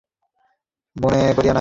আমি কখনও সংসার ত্যাগ করিয়া বনে যাই নাই।